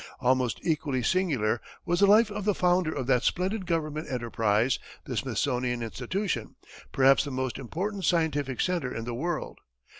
Almost equally singular was the life of the founder of that splendid government enterprise, the Smithsonian Institution perhaps the most important scientific center in the world.